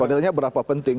kondilnya berapa penting